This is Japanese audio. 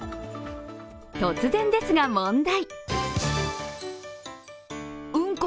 突然ですが問題。